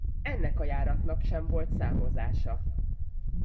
Ennek a járatnak sem volt számozása.